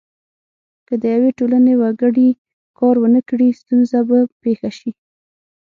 که د یوې ټولنې وګړي کار ونه کړي ستونزه به پیښه شي.